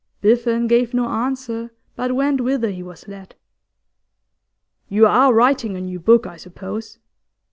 Biffen gave no answer, but went whither he was led. 'You are writing a new book, I suppose?